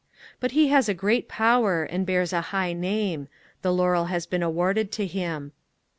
But he was a great power, and bears a high name: the laurel has been awarded to him.